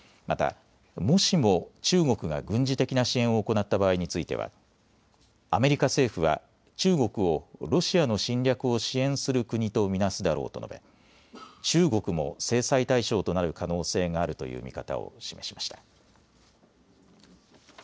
また、もしも中国が軍事的な支援を行った場合についてはアメリカ政府は中国をロシアの侵略を支援する国と見なすだろうと述べ、中国も制裁対象となる可能性があるという見方を示しました。